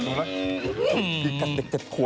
นุ่มเป็นคนชั่ว